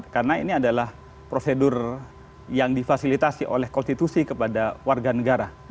karena ini adalah prosedur yang difasilitasi oleh konstitusi kepada warga negara